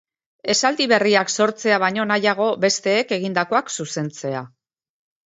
Esaldi berriak sortzea baino nahiago besteek egindakoak zuzentzea.